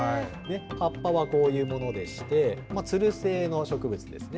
葉っぱはこういうものでして、ツル性の植物ですね。